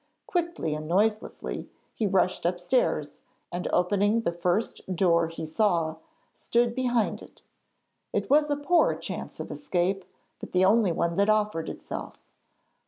Quickly and noiselessly he rushed upstairs, and opening the first door he saw, stood behind it. It was a poor chance of escape, but the only one that offered itself.